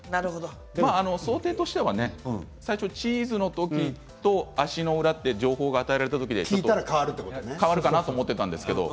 想定としてはチーズの時と足の裏の情報が与えられた時に変わるかなと思ったんですけれど。